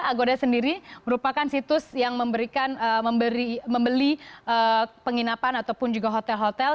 agoda sendiri merupakan situs yang memberikan membeli penginapan ataupun juga hotel hotel